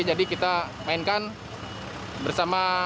jadi kita mainkan bersama